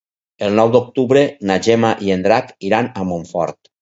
El nou d'octubre na Gemma i en Drac iran a Montfort.